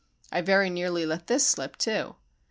I very nearly let this slip too.